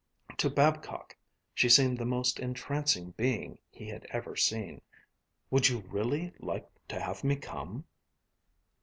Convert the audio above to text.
To Babcock she seemed the most entrancing being he had ever seen. "Would you really like to have me come?"